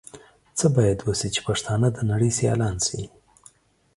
څه بايد وشي چې پښتانهٔ د نړۍ سيالان شي؟